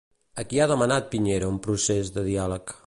A qui ha demanat Piñera un procés de diàleg?